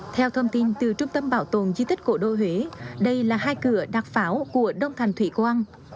theo thông tin từ trung tâm bảo tồn di tích cổ đô huế đây là hai cửa đặc pháo của đông thành thủy quang